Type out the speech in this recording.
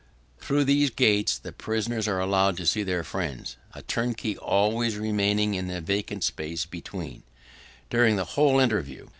Through these grates the prisoners are allowed to see their friends; a turnkey always remaining in the vacant space between, during the whole interview.